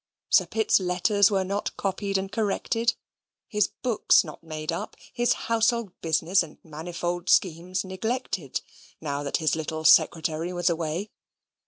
Sir Pitt's letters were not copied and corrected; his books not made up; his household business and manifold schemes neglected, now that his little secretary was away.